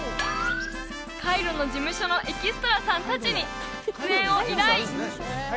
カイロの事務所のエキストラさん達に出演を依頼！